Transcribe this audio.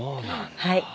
はい！